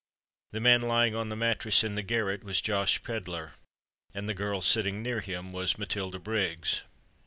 The man lying on the mattress in the garret, was Josh Pedler; and the girl sitting near him, was Matilda Briggs.